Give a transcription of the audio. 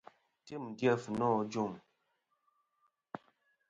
Tim dyef nô ajuŋ.